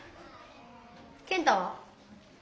健太は？